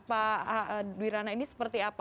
pak dwirana ini seperti apa